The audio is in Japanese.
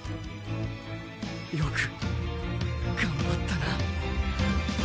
よく頑張ったな。